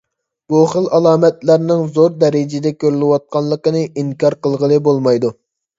بۇ خىل ئالامەتلەرنىڭ زور دەرىجىدە كۆرۈلۈۋاتقانلىقىنى ئىنكار قىلغىلى بولمايدۇ.